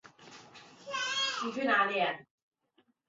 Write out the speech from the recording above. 没有卡片限制。